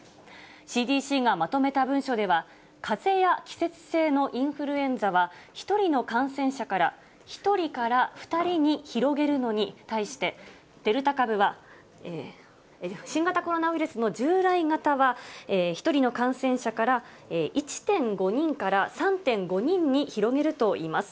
ＣＤＣがまとめた文書では、かぜや季節性のインフルエンザは、１人の感染者から１人から２人に広げるのに対して、新型コロナウイルスの従来型は１人の感染者から１．５人から３．５人に広げるといいます。